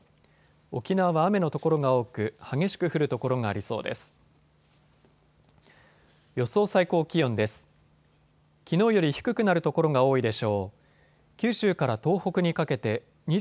沖縄は雨の所が多く激しく降る所がありそうです。